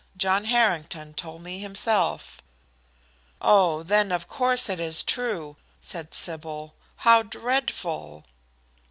John Harrington told me himself." "Oh, then of course it is true," said Sybil. "How dreadful!"